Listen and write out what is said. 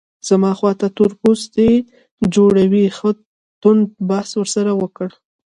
زما خواته تور پوستي جوړې ښه توند بحث ورسره وکړ.